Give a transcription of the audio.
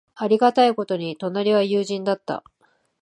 ありがたいことに、隣は友人だった。